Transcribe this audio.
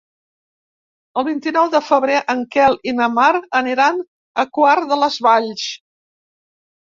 El vint-i-nou de febrer en Quel i na Mar aniran a Quart de les Valls.